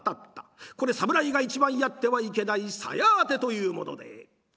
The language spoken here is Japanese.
これ侍が一番やってはいけない鞘当てというもので。